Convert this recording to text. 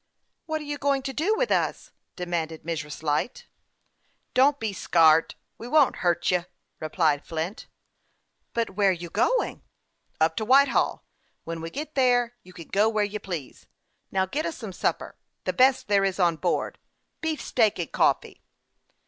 "What are you goin' to do with us?" demanded Mrs. Light. " Don't be scart ; we won't hurt you," replied Flint. " But where you goin' ?"" Up to Whitehall. When we get there, you can go where you please. Now, get us some supper ; the best there is on board beefsteak and coffee."